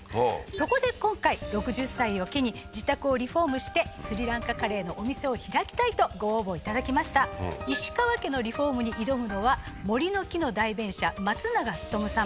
そこで今回６０歳を機に自宅をリフォームしてスリランカカレーのお店を開きたいとご応募いただきました石川家のリフォームに挑むのは森の木の代弁者松永務さん